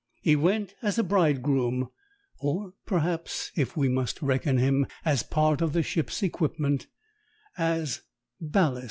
He went as a bridegroom; or perhaps (if we must reckon him as part of the ship's equipment), as ballast.